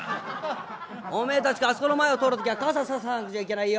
おめえたちあそこの前を通る時は傘差さなくちゃいけないよ」。